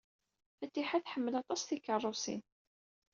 Fatiḥa tḥemmel aṭas tikeṛṛusin.